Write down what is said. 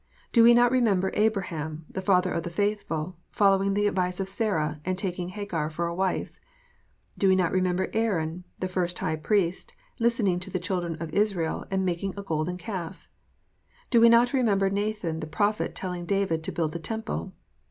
Do we not remember Abraham, the father of the faithful, following the advice of Sarah, and taking Hagar for a wife? Do we not remember Aaron, the first high priest, listening to the children of Israel, and making a golden calf ? Do we not remember Nathan the prophet telling David to build a temple